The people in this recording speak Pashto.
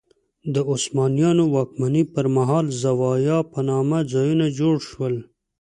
د عثمانیانو واکمنۍ پر مهال زوايا په نامه ځایونه جوړ شول.